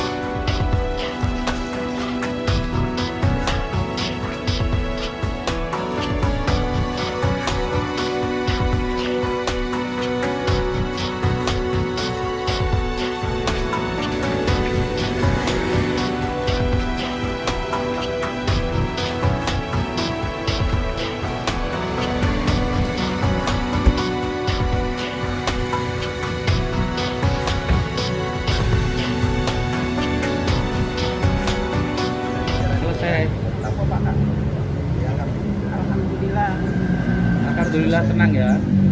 alhamdulillah tenang ya